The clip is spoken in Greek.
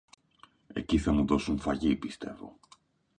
Εκεί θα μου δώσουν φαγί, πιστεύω